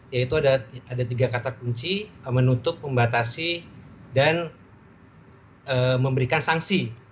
yaitu ada tiga kata kunci menutup membatasi dan memberikan sanksi